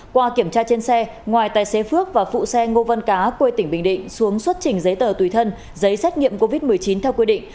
qua kiểm tra trên xe ngoài tài xế phước và phụ xe ngô văn cá quê tỉnh bình định xuống xuất trình giấy tờ tùy thân giấy xét nghiệm covid một mươi chín theo quy định